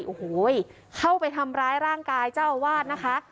โอ้โหเข้าไปทำร้ายร่างกายเจ้าอาวาสนะคะ